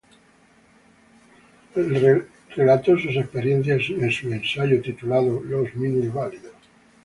Él relató sus experiencias en su ensayo titulado, "Los minusválidos".